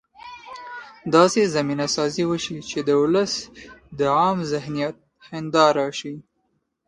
داسې زمینه سازي وشي چې د ولس د عامه ذهنیت هنداره شي.